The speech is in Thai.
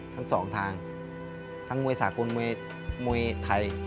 ทั้งสองทางทั้งมวยสากลมวยไทย